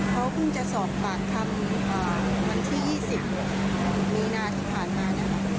เขาเพิ่งจะสอบปากคำวันที่๒๐มีนาที่ผ่านมานะคะ